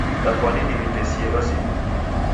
Dafwane diwitesie wazima.